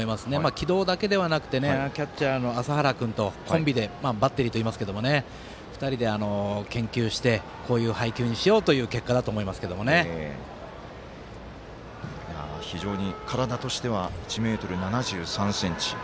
軌道だけではなくてキャッチャーの麻原君とコンビでバッテリーといいますが２人で研究してこういう配球にしようという体としては１ｍ７３ｃｍ。